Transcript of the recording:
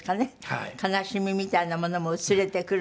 悲しみみたいなものも薄れてくる。